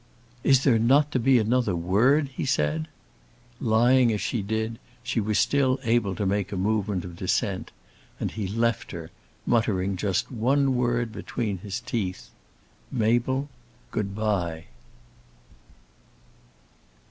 "Is there not to be another word?" he said. Lying as she did, she still was able to make a movement of dissent, and he left her, muttering just one word between his teeth, "Mabel, good bye."